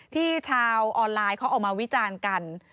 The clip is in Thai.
ชาวออนไลน์เขาออกมาวิจารณ์กัน